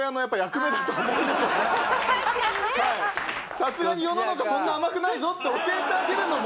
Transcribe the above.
さすがに世の中そんな甘くないぞって教えてあげるのも。